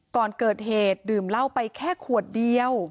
ก่อนเกิดเหตุดื่มเหล้าไปแค่ขวดเดียว